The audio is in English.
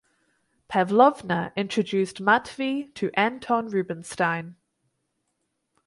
Pavlovna introduced Matvei to Anton Rubinstein.